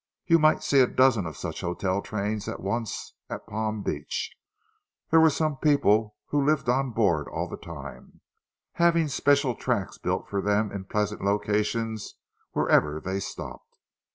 You might see a dozen of such hotel trains at once at Palm Beach; there were some people who lived on board all the time, having special tracks built for them in pleasant locations wherever they stopped.